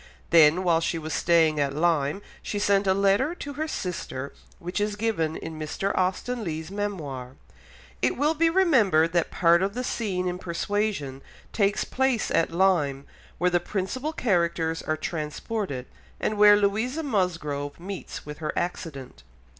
Then, while she was staying at Lyme, she sent a letter to her sister which is given in Mr. Austen Leigh's Memoir. It will be remembered that part of the scene in Persuasion takes place at Lyme, where the principal characters are transported, and where Louisa Musgrove meets with her accident.